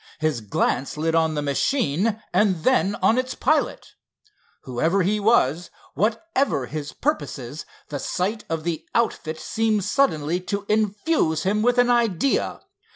His glance lit on the machine and then on its pilot. Whoever he was, whatever his purposes, the sight of the outfit seemed suddenly to infuse him with an idea.